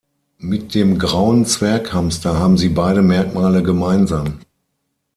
Mit dem Grauen Zwerghamster haben sie beide Merkmale gemeinsam.